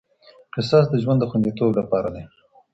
قصاص د ژوند د خوندیتوب لپاره دی.